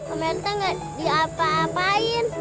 om rt gak diapa apain